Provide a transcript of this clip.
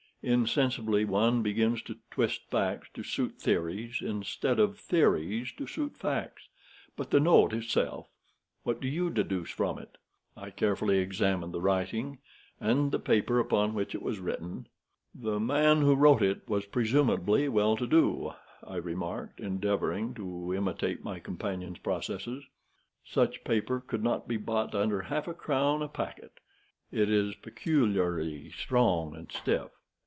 Insensibly one begins to twist facts to suit theories, instead of theories to suit facts. But the note itself—what do you deduce from it?" I carefully examined the writing, and the paper upon which it was written. "The man who wrote it was presumably well to do," I remarked, endeavoring to imitate my companion's processes. "Such paper could not be bought under half a crown a packet. It is peculiarly strong and stiff."